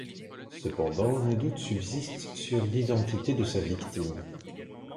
Cependant, un doute subsiste sur l'identité de sa victime...